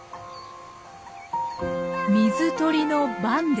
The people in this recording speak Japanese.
水鳥のバンです。